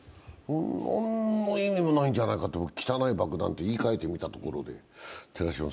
何の意味もないんじゃないかと汚い爆弾と言いかえてみたところで。